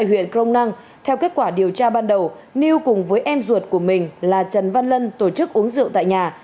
huyện crong năng theo kết quả điều tra ban đầu niêu cùng với em ruột của mình là trần văn lân tổ chức uống rượu tại nhà